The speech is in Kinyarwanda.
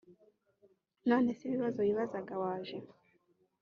none se ibibazo wibazaga waje